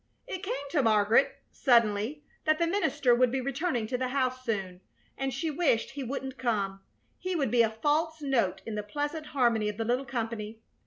It came to Margaret, suddenly, that the minister would be returning to the house soon, and she wished he wouldn't come. He would be a false note in the pleasant harmony of the little company.